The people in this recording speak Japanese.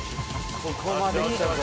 ここまできたぞ。